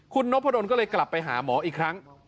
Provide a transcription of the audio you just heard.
คุณนพดลก็เลยกลับไปหาหมออีกครั้ง